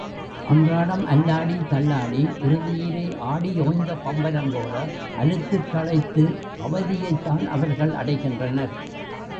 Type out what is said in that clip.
அன்றாடம் அல்லாடி, தள்ளாடி இறுதியிலே ஆடி ஓய்ந்த பம்பரம் போல, அலுத்துக் களைத்துப் அவதியைத் தான் அவர்கள் அடைகின்றனர்.